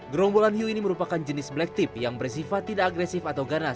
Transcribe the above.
gerombolan hiu ini merupakan jenis black tip yang bersifat tidak agresif atau ganas